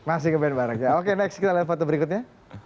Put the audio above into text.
masih ngeband bareng oke next kita lihat foto berikutnya